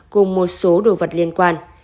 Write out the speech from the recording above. cùng một số đồ vật liên quan